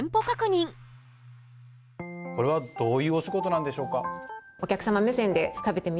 これはどういうお仕事なんでしょうか？